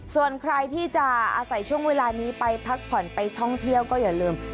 ส่วนใครที่จะอาศัยช่วงเวลานี้ไปพักผ่อนไปท่องเที่ยวก็อย่าลืม